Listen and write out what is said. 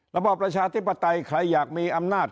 ระบอบประชาธิปไตยใครอยากมีอำนาจ